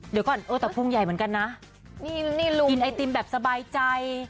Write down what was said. เดี๋ยวก่อนเออแต่พุงใหญ่เหมือนกันนะนี่ลุงกินไอติมแบบสบายใจ